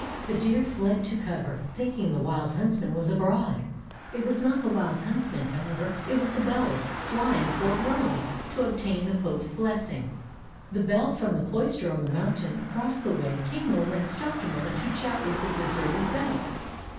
The deer fled to cover, think ing the Wild Huntsman was abroad. It was not the Wild Huntsman, however; it was the bells flying toward Rome, to obtain the Pope's blessing. The bell from the cloister on the mountain across the way came over and stopped a moment to chat with the deserted bell.